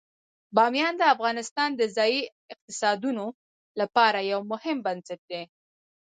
بامیان د افغانستان د ځایي اقتصادونو لپاره یو مهم بنسټ دی.